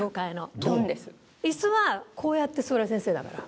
椅子はこうやって座る先生だから。